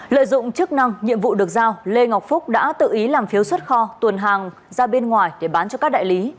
lợi dụng chức năng nhiệm vụ được giao lê ngọc phúc đã tự ý làm phiếu xuất kho tuần hàng ra bên ngoài để bán cho các đại lý